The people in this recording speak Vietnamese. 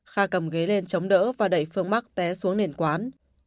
kha cầm ghế lên chống đỡ và đẩy phương mắc té xuống nền quán